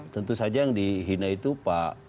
tentu saja yang dihina itu pak